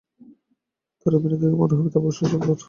তাঁর অভিনয় দেখে মনে হবে, তাঁর ভবিষ্যৎ সুন্দর।